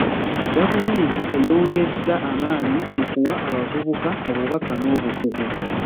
Gavumenti eyongezza amaanyi mu kuwa abavubuka obubaka n'obukugu.